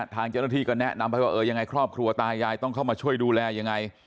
ทางเจ้าหน้าที่ก็แนะนำไปว่าเออยังไงครอบครัวตายายต้องเข้ามาช่วยดูแลยังไง